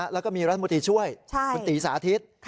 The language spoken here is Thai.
แล้วก็มีรัฐมนตรีช่วยคุณตีสาธิต